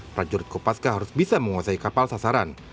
prajurit kopaska harus bisa menguasai kapal sasaran